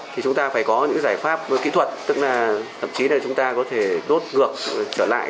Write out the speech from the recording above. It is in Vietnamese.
thì chúng ta phải có những giải pháp kỹ thuật tức là thậm chí là chúng ta có thể đốt ngược trở lại